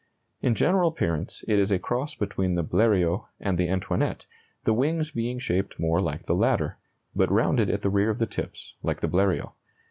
In general appearance it is a cross between the Bleriot and the Antoinette, the wings being shaped more like the latter, but rounded at the rear of the tips like the Bleriot.